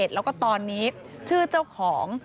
แล้วก็ตอนนี้ชื่อเจ้าของ